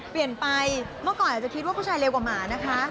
เปลี่ยนไปเมื่อก่อนอาจจะคิดว่าผู้ชายเร็วกว่าหมานะคะ